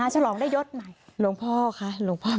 หลวงพ่อค่ะหลวงพ่อเป็นหลวงพ่อนะครับ